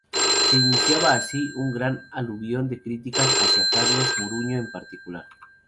Se iniciaba así un gran aluvión de críticas hacia Carlos Mouriño en particular.